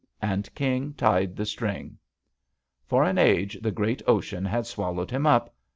And King tied the string ! For an age the great ocean had swallowed him up.